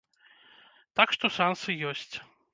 Так што шансы ёсць.